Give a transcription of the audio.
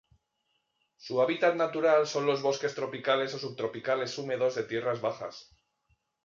Su hábitat natural son los bosques tropicales o subtropicales húmedos de tierras bajas.